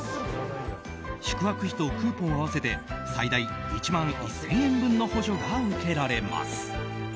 宿泊費とクーポン合わせて最大１万１０００円分の補助が受けられます。